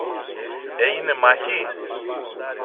Έγινε μάχη;